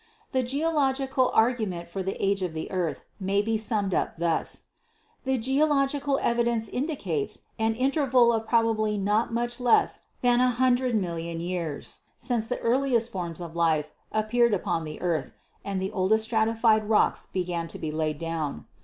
The geological argument for the age of the earth may be summed up thus : The geological evidence indicates an interval of probably not much less than 100 million years since the earliest forms of life appeared upon the earth and the oldest stratified rocks began to be laid down.